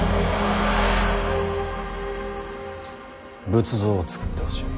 仏像を作ってほしい。